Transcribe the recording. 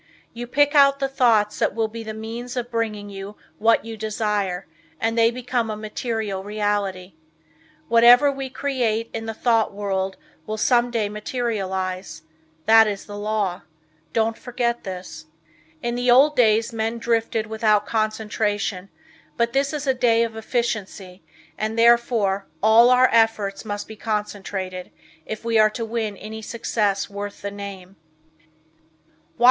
You pick out the thoughts that will be the means of bringing you what you desire, and they become a material reality. Whatever we create in the thought world will some day materialize. That is the law. Don't forget this. In the old days men drifted without concentration but this is a day of efficiency and therefore all of our efforts must be concentrated, if we are to win any success worth the name.